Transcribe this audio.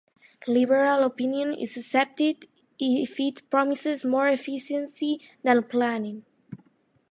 Liberal opinion is accepted if it promises more efficiency than planning.